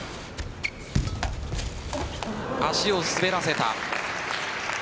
足を滑らせた。